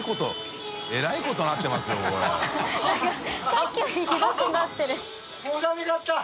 さっきよりひどくなってる店主）